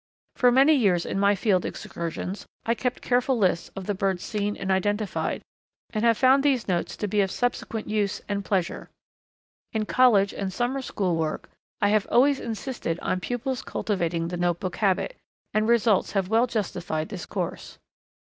For many years in my field excursions I have kept careful lists of the birds seen and identified, and have found these notes to be of subsequent use and pleasure. In college and summer school work I have always insisted on pupils cultivating the notebook habit, and results have well justified this course.